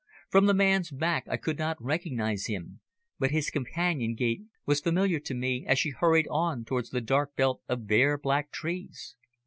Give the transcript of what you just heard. From the man's back I could not recognise him, but his companion's gait was familiar to me as she hurried on towards the dark belt of bare, black trees.